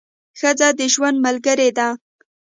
ښځه د ژوند ملګرې ده.